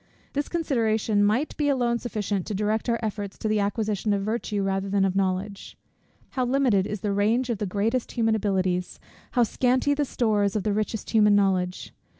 This consideration might be alone sufficient to direct our efforts to the acquisition of virtue rather than of knowledge. How limited is the range of the greatest human abilities! how scanty the stores of the richest human knowledge!